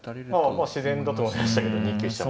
まあ自然だと思いましたけど２九飛車も。